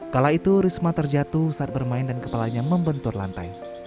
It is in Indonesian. kala itu risma terjatuh saat bermain dan kepalanya membentur lantai